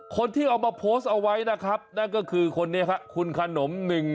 คนที่เอามาโพสต์เอาไว้นะครับนั่นก็คือคนนี้ครับคุณขนมหนึ่ง